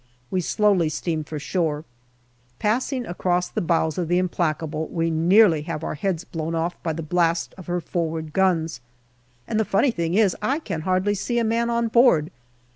We slowly steam for shore. Passing across the bows of the Implacable, we nearly have our heads blown off by the blast of her forward guns, and the funny thing is, I can hardly see a man on board.